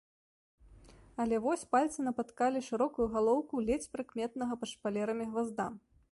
Але вось пальцы напаткалі шырокую галоўку ледзь прыкметнага пад шпалерамі гвазда.